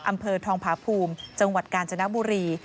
อำเภอทองผาภูมิจังหวัดกาญจนบุรี